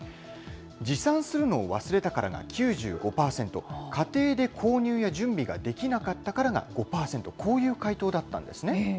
持参するのを忘れたからが９５％、家庭で購入や準備ができなかったからが５％、こういう回答だったんですね。